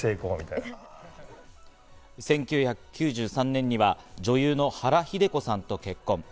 １９９３年には女優の原日出子さんと結婚。